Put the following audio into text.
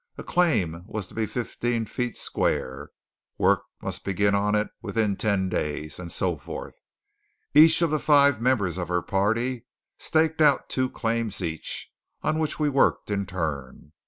A claim was to be fifteen feet square; work must begin on it within ten days; and so forth. Each of the five members of our party staked out two claims each, on which we worked in turn.